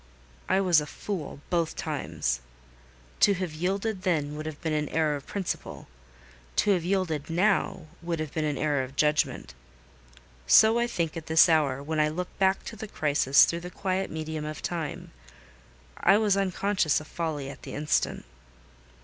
I was a fool both times. To have yielded then would have been an error of principle; to have yielded now would have been an error of judgment. So I think at this hour, when I look back to the crisis through the quiet medium of time: I was unconscious of folly at the instant.